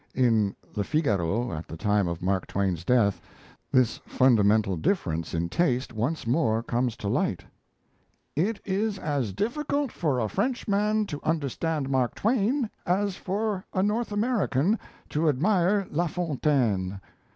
In 'Le Figaro', at the time of Mark Twain's death, this fundamental difference in taste once more comes to light: "It is as difficult for a Frenchman to understand Mark Twain as for a North American to admire La Fontaine.